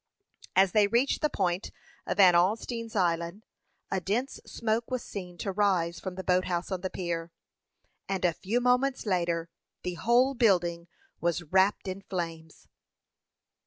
As they reached the point of Van Alstine's Island, a dense smoke was seen to rise from the boat house on the pier; and a few moments later, the whole building was wrapped in flames.